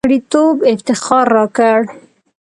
غړیتوب افتخار راکړ.